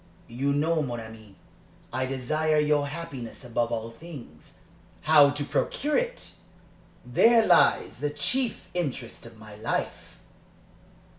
You know, mon ami, I desire your happiness above all things; how to procure it there lies the chief interest of my life."